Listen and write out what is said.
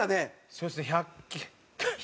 そうですね１００均。